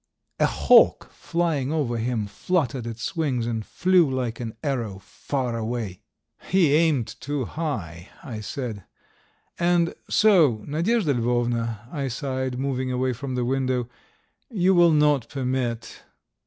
A hawk, flying over him, fluttered its wings and flew like an arrow far away. "He aimed too high!" I said. "And so, Nadyezhda Lvovna," I sighed, moving away from the window, "you will not permit